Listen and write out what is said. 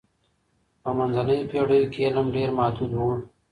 په منځنیو پېړیو کي علم ډېر محدود و.